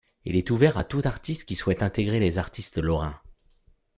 Il est ouvert à tout artiste qui souhaite intégrer les Artistes Lorrains.